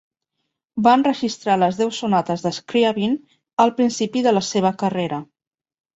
Va enregistrar les deu sonates de Scriabin al principi de la seva carrera.